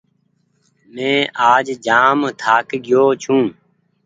مينٚ آج جآم ٿآڪگيو ڇوٚنٚ